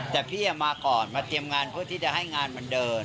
แต่พี่มาก่อนมาเตรียมงานเพื่อที่จะให้งานมันเดิน